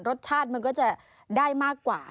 รสชาติมันก็จะได้มากกว่า